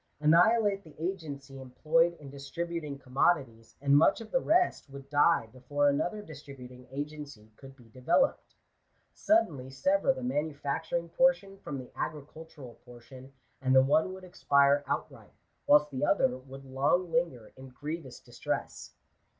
Annihilate the agency em ployed in distributing commodities! and much of the rest would die before another distributing agency could be developed. Suddenly sever the manufacturing portion from the agricultural portion, and the one would expire outright, whilst the other would long linger in grievous distress.